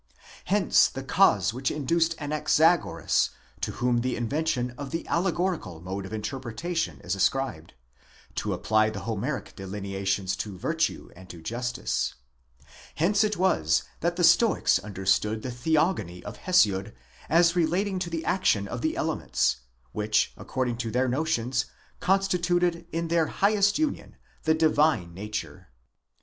hence the cause which induced Anaxagoras, to whom the invention of the allegorical mode of interpretation is ascribed, to apply the Homeric delineations to vir tue and to justice ; 3 hence it was that the Stoics understood the Theogony of Hesiod as relating to the action of the elements, which, according to their notions, constituted, in their highest union, the divine nature.